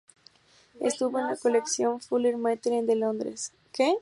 Estuvo en la colección W. Fuller Maitland de Londres.